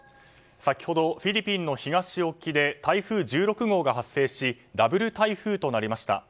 先ほど、フィリピンの東沖で台風１６号が発生しダブル台風となりました。